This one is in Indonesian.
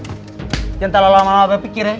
mungkin terlalu lama lama berpikir ya